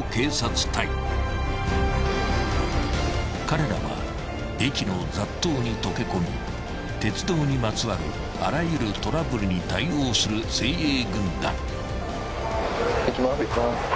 ［彼らは駅の雑踏に溶け込み鉄道にまつわるあらゆるトラブルに対応する精鋭軍団］